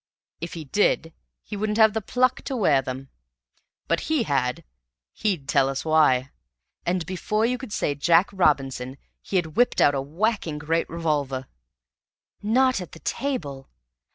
If he did, he wouldn't have the pluck to wear them. But he had he'd tell us why. And before you could say Jack Robinson he had whipped out a whacking great revolver!" "Not at the table?"